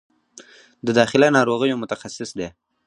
د داخله ناروغیو متخصص دی